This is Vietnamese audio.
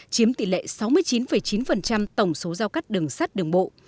chiếm tỷ lệ sáu mươi chín chín tổng số giao cắt đường sắt đường bộ